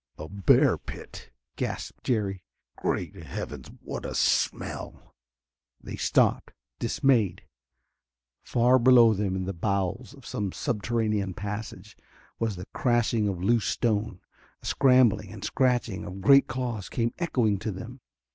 "A bear pit," gasped Jerry. "Great Heavens! What a smell!" They stopped, dismayed. Far below them in the bowels of some subterranean passage was the crashing of loose stone; a scrambling and scratching of great claws came echoing to them.